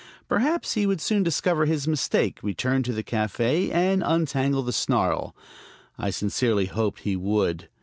Perhaps he would soon discover his mistake, return to the café and untangle the snarl. I sincerely hoped he would.